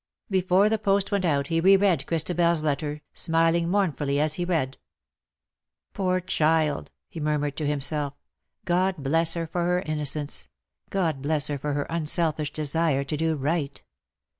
Before the post went out he re read Christabel's letter^ smiling mournfully as he read. '' Poor child V^ he murmured to himself, " God bless her for her innocence — God bless her for her unselfish desire to do right.